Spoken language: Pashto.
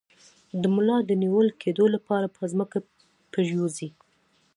د ملا د نیول کیدو لپاره په ځمکه پریوځئ